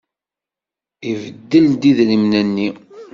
Ibeddel-d idrimen-nni.